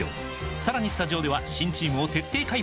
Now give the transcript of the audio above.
さらにスタジオでは新チームを徹底解剖！